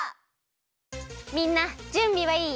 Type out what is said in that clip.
みんなじゅんびはいい？